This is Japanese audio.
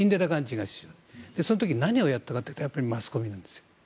その時に何をやったかというとやっぱりマスコミなんです。